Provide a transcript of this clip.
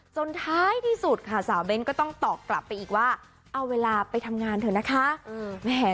ท้ายที่สุดค่ะสาวเบ้นก็ต้องตอบกลับไปอีกว่าเอาเวลาไปทำงานเถอะนะคะ